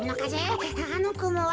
あのくもは。